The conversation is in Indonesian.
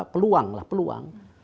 peluang lah peluang